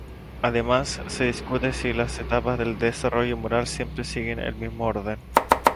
Además se discute si las etapas del desarrollo moral siempre siguen el mismo orden.